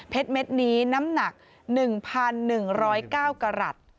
เพชรเม็ดนี้น้ำหนัก๑๑๐๙กระหลัด